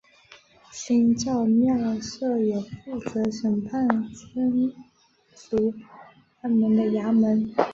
新召庙设有负责审判僧俗案件的衙门。